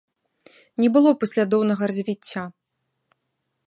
Не было паслядоўнага развіцця.